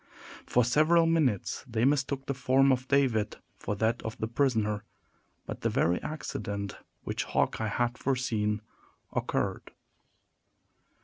For several minutes they mistook the form of David for that of the prisoner; but the very accident which Hawkeye had foreseen occurred.